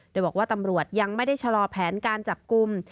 โดยบอกว่าตำรวจยังไม่ได้ชะลอแผนการจับกลุ่ม